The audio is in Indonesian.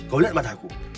kau lihat mata aku